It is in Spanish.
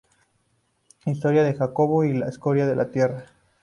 Historia de Jacobo" y la "Escoria de la tierra".